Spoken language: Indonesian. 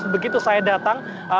begitu saya datang